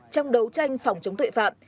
trong đấu tranh phòng chống tội phạm